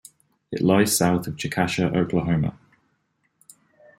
It lies south of Chickasha, Oklahoma.